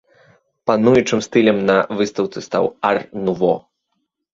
Пануючым стылем на выстаўцы стаў ар-нуво.